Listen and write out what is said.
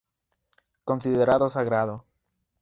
Considerado sagrado.